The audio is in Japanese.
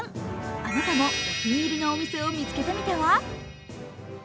あなたもお気に入りのお店を見つけてみては？